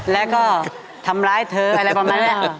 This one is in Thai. แล้วก็ทำร้ายเธออะไรประมาณนี้ค่ะ